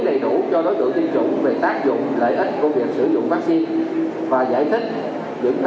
lợi ích công việc sử dụng vaccine và giải thích